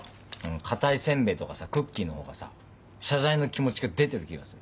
硬いせんべいとかクッキーのほうがさ謝罪の気持ちが出てる気がする。